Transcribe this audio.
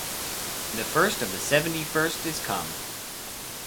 The First of the Seventy-First is come.